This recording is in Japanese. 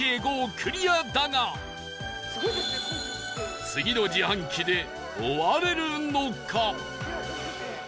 クリアだが次の自販機で終われるのか？